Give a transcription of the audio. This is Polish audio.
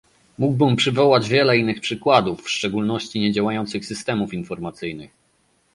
Mógłbym przywołać wiele innych przykładów, w szczególności niedziałających systemów informacyjnych